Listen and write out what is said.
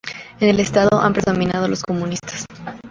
En el estado han predominado los comunistas.